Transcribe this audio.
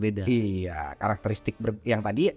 pasti kondisi isi perubsahan itu akan turun